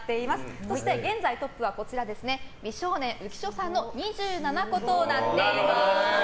そして現在トップは美少年・浮所さんの２７個となっています。